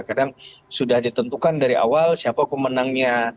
kadang sudah ditentukan dari awal siapa pemenangnya